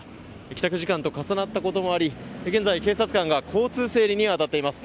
帰宅時間と重なったこともあり現在、警察官が交通整理に当たっています。